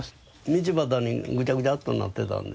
道端にぐちゃぐちゃっとなってたんで。